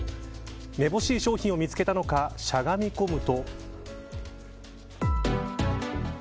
めぼしい商品を見つけたのかしゃがみこむと。